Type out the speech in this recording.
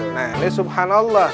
nah ini subhanallah